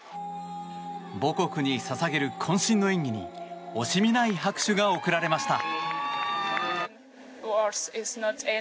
母国に捧げるこん身の演技に惜しみない拍手が送られました。